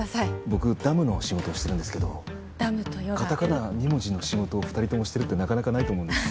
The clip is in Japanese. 僕ダムの仕事をしてるんですけどダムとヨガカタカナ２文字の仕事を二人ともしてるってなかなかないと思うんです